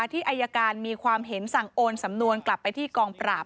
ที่อายการมีความเห็นสั่งโอนสำนวนกลับไปที่กองปราบ